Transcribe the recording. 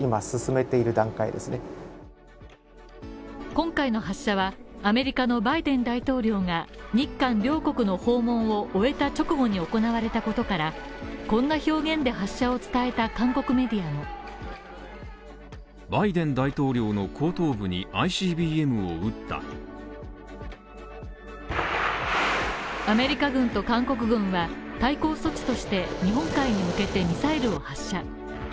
今回の発射は、アメリカのバイデン大統領が日韓両国の訪問を終えた直後に行われたことから、こんな表現で発射を伝えた韓国メディアもアメリカ軍と韓国軍は対抗措置として日本海に向けてミサイルを発射。